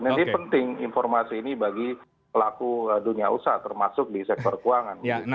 jadi penting informasi ini bagi pelaku dunia usaha termasuk di sektor keuangan